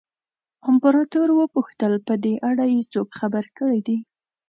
امپراتور وپوښتل په دې اړه یې څوک خبر کړي دي.